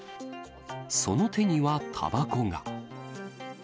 その手にはたばこが。